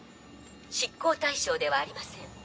執行対象ではありません。